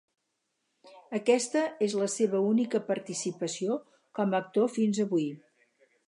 Aquesta és la seva única participació com a actor fins avui.